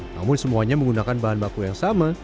namun semuanya menggunakan bahan baku yang sama